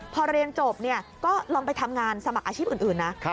พอเรียนจบก็ลองไปทำงานสมัครอาชีพอื่นนะ